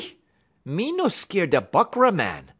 Me no skeer da Buckra Màn.